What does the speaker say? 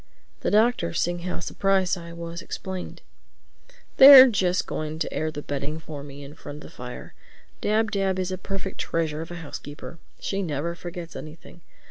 The Doctor, seeing how surprised I was, explained: "They're just going to air the bedding for me in front of the fire. Dab Dab is a perfect treasure of a housekeeper; she never forgets anything.